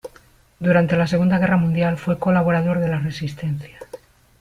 Durante la Segunda Guerra Mundial, fue colaborador de la Resistencia.